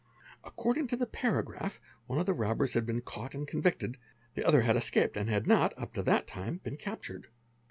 According to the paragraph, one of the robbers had been ght and convicted, the other had escaped and had not up to that e been captured.